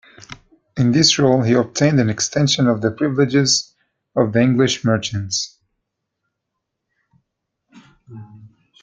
In this role, he obtained an extension of the privileges of the English merchants.